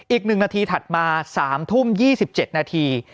อีก๑นาทีถัดมา๓ทุ่ม๒๗นาที